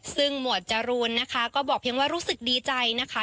ซึ่งหมวดจรูนนะคะก็บอกเพียงว่ารู้สึกดีใจนะคะ